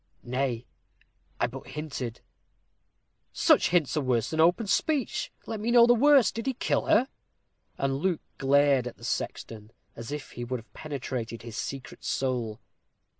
"Nay, I but hinted." "Such hints are worse than open speech. Let me know the worst. Did he kill her?" And Luke glared at the sexton as if he would have penetrated his secret soul.